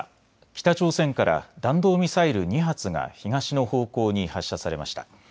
北朝鮮から弾道ミサイル２発が東の方向に発射されました。